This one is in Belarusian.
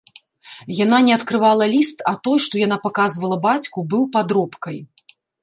Яна не адкрывала ліст, а той, што яна паказвала бацьку, быў падробкай.